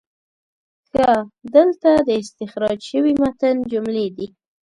ښه، دلته د استخراج شوي متن جملې دي: